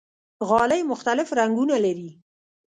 غالۍ مختلف رنګونه لري.